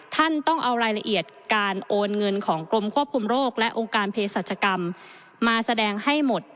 ท่านต้องเอารายละเอียดการโอนเงินของกรมควบคุมโรคและองค์การเพศรัชกรรมมาแสดงให้หมด